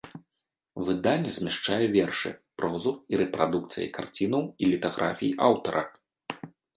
Выданне змяшчае вершы, прозу і рэпрадукцыі карцінаў і літаграфій аўтара.